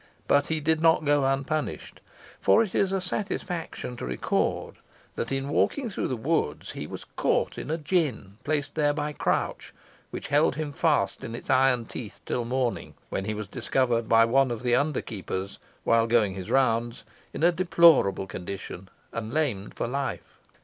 But he did not go unpunished; for it is a satisfaction to record that, in walking through the woods, he was caught in a gin placed there by Crouch, which held him fast in its iron teeth till morning, when he was discovered by one of the under keepers while going his rounds, in a deplorable condition, and lamed for life.